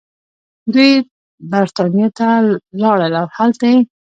دوي برطانيه ته لاړل او هلتۀ ئې